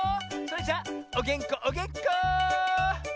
それじゃおげんこおげんこ！